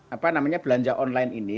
apa namanya belanja online ini